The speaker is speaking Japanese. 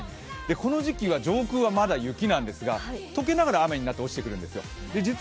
この時期は上空はまだ雪なんですが解けながら雨になって落ちてくるるんですよ。